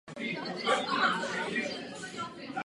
Ve středu nádrže je umístěno kaliště.